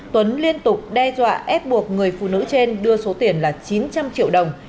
tuấn liên tục đe dọa ép buộc người phụ nữ trên đưa số tiền là chín trăm linh triệu đồng